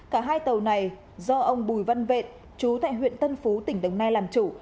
cả hai tàu này do ông bùi văn vện chú tệ huyện tân phú tỉnh đồng nai làm chủ